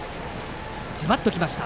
ズバッときました。